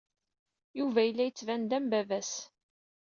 Yuba yella yettban-d am baba-s.